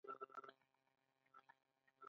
ایا سټنټ مو ایښی دی؟